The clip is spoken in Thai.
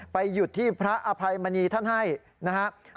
หยุดที่พระอภัยมณีท่านให้นะครับ